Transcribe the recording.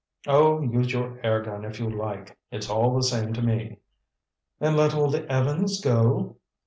"Oh, use your air gun if you like. It's all the same to me!" "And let Old Evans go?"